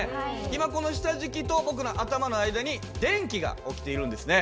今この下敷きと僕の頭の間に電気が起きているんですね。